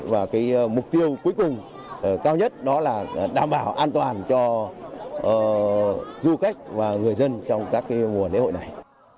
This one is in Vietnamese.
và mục tiêu cuối cùng cao nhất đó là đảm bảo an toàn cho du khách và người dân trong các mùa lễ hội này